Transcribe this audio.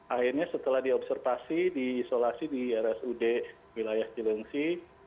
akhirnya setelah diobservasi diisolasi di rsud wilayah jelengsi